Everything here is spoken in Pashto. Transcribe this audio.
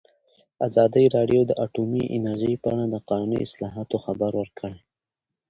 ازادي راډیو د اټومي انرژي په اړه د قانوني اصلاحاتو خبر ورکړی.